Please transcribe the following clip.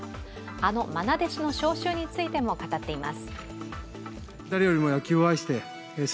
あの、まな弟子の招集についても語っています。